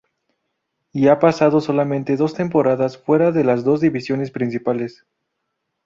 Y ha pasado solamente dos temporadas fuera de las dos divisiones principales.